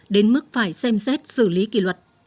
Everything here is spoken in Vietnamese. đến mức phải xem xét xử lý kỷ luật